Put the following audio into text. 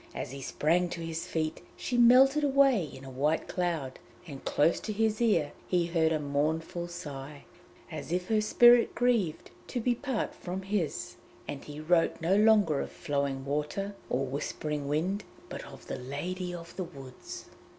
As he sprang to his feet, she melted away in a white cloud, and close to his ear he heard a mournful sigh, as if her spirit grieved to part from his. And he wrote no longer of flowing water or whispering wind, but of the Lady of the Woods.